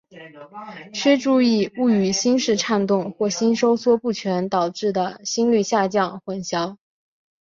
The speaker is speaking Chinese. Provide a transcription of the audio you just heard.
须注意勿与心室颤动或心收缩不全导致的心率下降混淆。